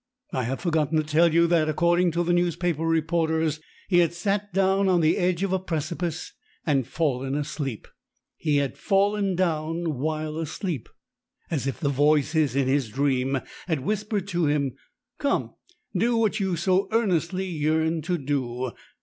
I have forgotten to tell you that, according to the newspaper reporters, he had sat down on the edge of a precipice and fallen asleep. He had fallen down while asleep. As if the voices in his dream had whispered to him: 'Come! do what you so earnestly yearn to do!